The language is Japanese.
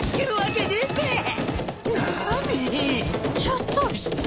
ナミちょっと失礼。